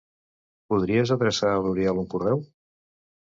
Podries adreçar a l'Oriol un correu?